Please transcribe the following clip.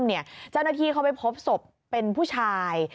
เจ้าหน้าที่เขาไปพบศพเป็นผู้ชาย